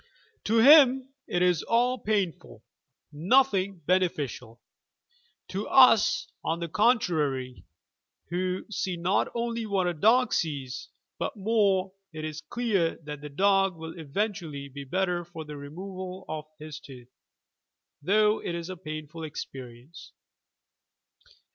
To him it is all painful, nothing beneficial. To us, on the contrarj', who see not only what a dog sees, but more, it is clear that the dog will eventually be better for the removal of his tooth — though it is a painful experience.